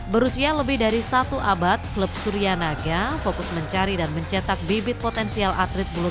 berusia lebih dari satu abad klub suryanaga fokus mencari dan mencetak bibit potensial atlet bulu